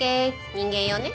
人間用ね。